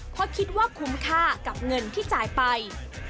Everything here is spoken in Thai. เพราะคิดว่าคุ้มค่ากับเงินที่จ่ายไป